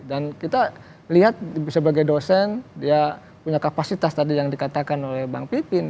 dan kita lihat sebagai dosen dia punya kapasitas tadi yang dikatakan oleh bang pipin